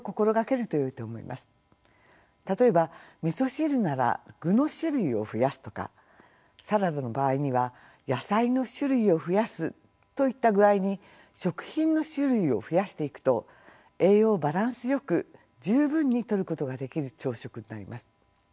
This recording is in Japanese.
例えばみそ汁なら具の種類を増やすとかサラダの場合には野菜の種類を増やすといった具合に食品の種類を増やしていくと栄養をバランスよく十分にとることができる朝食になります。